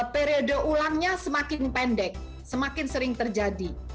periode ulangnya semakin pendek semakin sering terjadi